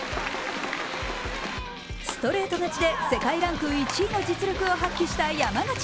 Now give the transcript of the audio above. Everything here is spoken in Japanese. ストレート勝ちで世界ランク１位の実力を発揮した山口。